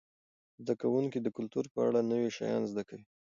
زده کوونکي د کلتور په اړه نوي شیان زده کوي.